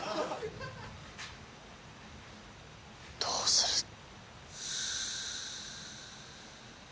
どうする？